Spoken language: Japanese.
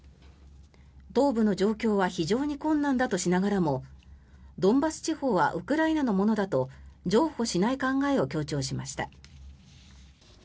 東部の状況は非常に困難だとしながらもドンバス地方はウクライナのものだと譲歩しない考えを強調しました。